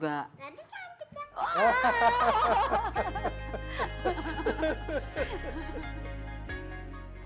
ganti cantik dong